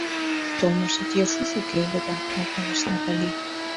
— Толмашет йӧршеш уке ыле да... — малдалеш Натали.